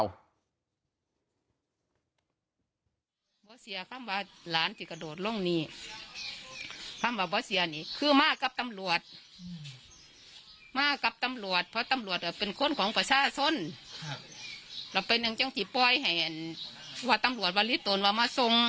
แล้วจอดหลอดเมืองจอดหลอดตัวเหมือนว้าเสียงกลัวกกักจุฆาคนั้น